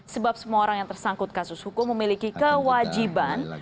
sebab semua orang yang tersangkut kasus hukum memiliki kewajiban